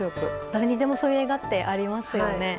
誰にでもそういう映画ってありますよね。